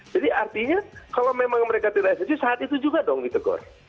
jadi artinya kalau memang mereka tidak esensi saat itu juga dong ditegor